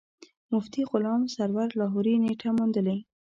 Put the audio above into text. مفتي غلام سرور لاهوري نېټه موندلې.